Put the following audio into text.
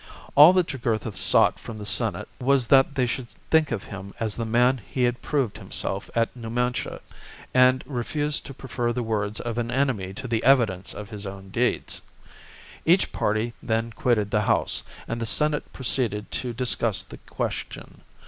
All that Jugurtha sought from the Senate was that they should think of him as the man he had proved himself at Numantia, and refuse to prefer the words of an enemy to the evidence of his own deeds. Each party then quitted the House, and the Senate proceeded to discuss the question.